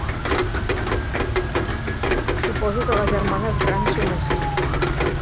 Suposo que les germanes grans som així.